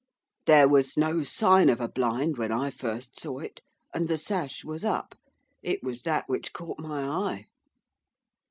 'There was no sign of a blind when I first saw it, and the sash was up, it was that which caught my eye.